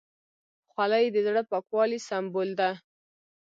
خولۍ د زړه پاکوالي سمبول ده.